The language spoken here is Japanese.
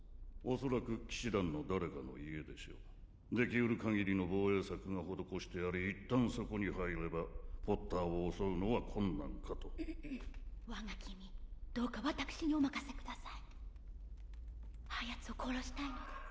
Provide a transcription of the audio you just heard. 恐らく騎士団の誰かの家でしょうでき得るかぎりの防衛策が施してありいったんそこに入ればポッターを襲うのは困難かと我が君どうか私にお任せくださいあやつを殺したいのです